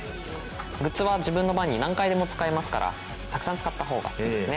グッズは自分の番に何回でも使えますからたくさん使ったほうがいいですね。